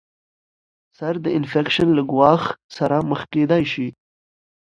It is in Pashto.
سر د انفیکشن له ګواښ سره مخ کیدای شي.